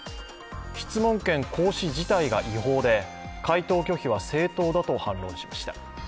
質問権行使自体が違法で回答拒否は正当だと反論しました。